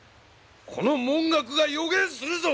この文覚が予言するぞ！